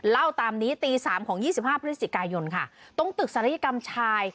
เล่าตามนี้ตี๓ของ๒๕พฤศจิกายนค่ะตรงตึกศัลยกรรมชาย